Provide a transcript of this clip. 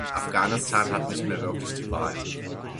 Afghanistan hat nicht mehr wirklich die Wahl.